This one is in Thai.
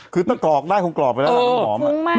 คือต้องกรอกได้คงกรอกไปแล้วหลังน้ำหอม